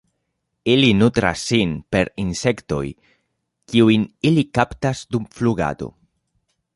Ili nutras sin per insektoj, kiujn ili kaptas dum flugado.